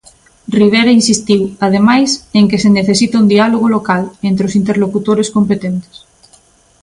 Ribera insistiu, ademais, en que "se necesita un diálogo local" entre os interlocutores competentes.